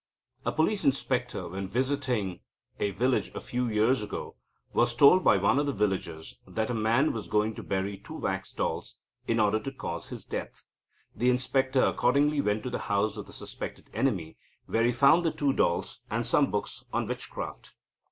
A police inspector, when visiting a village a few years ago, was told by one of the villagers that a man was going to bury two wax dolls, in order to cause his death. The inspector accordingly went to the house of the suspected enemy, where he found the two dolls, and some books on witchcraft.